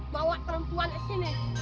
bawa perempuan ke sini